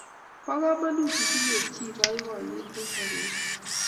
Po kamanut itinye chi poipoyet eng' sobeng'ung'